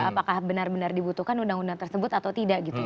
apakah benar benar dibutuhkan undang undang tersebut atau tidak gitu